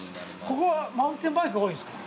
ここはマウンテンバイク多いんですか？